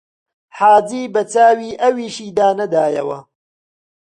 حاجی بە چاوی ئەویشیدا نەدایەوە